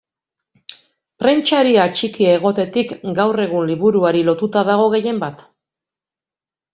Prentsari atxikia egotetik, gaur egun liburuari lotuta dago gehienbat.